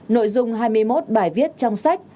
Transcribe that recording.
nội dung hai mươi một bài viết trong sách